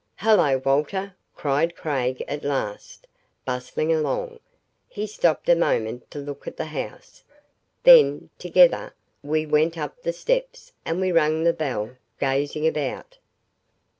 "Hello, Walter," cried Craig at last, bustling along. He stopped a moment to look at the house. Then, together, we went up the steps and we rang the bell, gazing about.